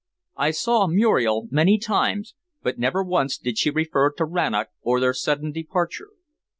I saw Muriel many times, but never once did she refer to Rannoch or their sudden departure.